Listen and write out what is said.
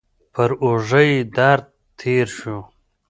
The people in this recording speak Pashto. پر اوږه یې درد تېر شو.